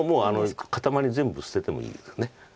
固まり全部捨ててもいいです。